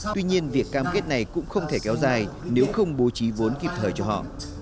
tuy nhiên việc cam kết này cũng không thể kéo dài nếu không bố trí vốn kịp thời cho họ